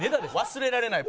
忘れられない？